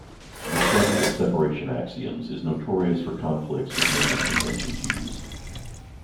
The study of separation axioms is notorious for conflicts with naming conventions used.